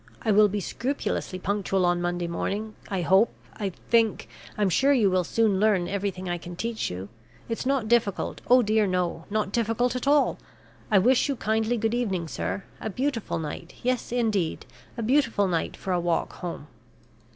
I will be scrupulously punctual on Monday morning I hope I think I'm sure you will soon learn everything I can teach you. It's not difficult oh dear, no not difficult at all! I wish you kindly good evening, sir. A beautiful night; yes, indeed, a beautiful night for a walk home."